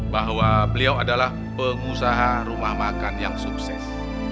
bahwa beliau adalah pengusaha rumah makan yang sukses